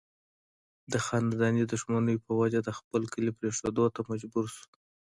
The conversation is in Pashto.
د خانداني دشمنو پۀ وجه د خپل کلي پريښودو ته مجبوره شو